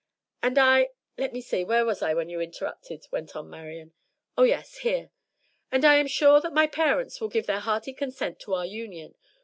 "'And I' let me see, where was I when you interrupted?" went on Marian. "Oh, yes, here "'And I am sure that my parents will give their hearty consent to our union.